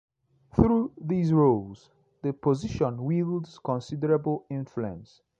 Through these roles the position wields considerable influence.